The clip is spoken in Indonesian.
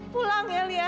pulang ya lia